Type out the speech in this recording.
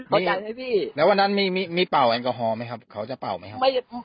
อืมแล้ววันนั้นมีเปล่าแอลกอฮอล์ไหมครับเขาจะเปล่าไหมครับ